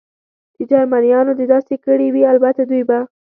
چې جرمنیانو دې داسې کړي وي، البته دوی به.